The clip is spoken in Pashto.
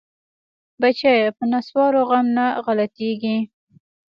بچيه په نسوارو غم نه غلطيګي.